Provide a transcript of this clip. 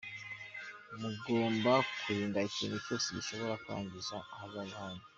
Mugomba kwirinda ikintu cyose gishobora kwangiza ahazaza hanyu."